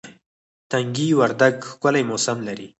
تنگي وردک ښکلی موسم لري